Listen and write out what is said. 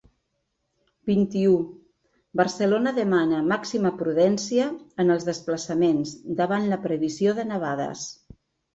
Vint-i-u – Barcelona demana ‘màxima prudència’ en els desplaçaments davant la previsió de nevades.